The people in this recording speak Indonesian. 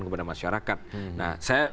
kepada masyarakat nah saya